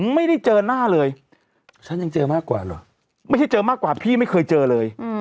ไม่ได้เจอหน้าเลยฉันยังเจอมากกว่าเหรอไม่ใช่เจอมากกว่าพี่ไม่เคยเจอเลย